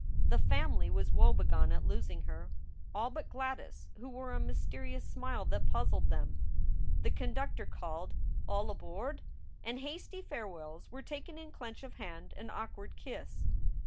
The family was woebegone at losing her all but Gladys, who wore a mysterious smile that puzzled them. The conductor called, "All aboard!" and hasty farewells were taken in clench of hand and awkward kiss.